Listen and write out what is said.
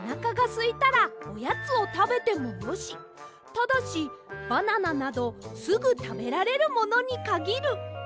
ただしバナナなどすぐたべられるものにかぎる」。